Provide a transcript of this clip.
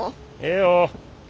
ええよ。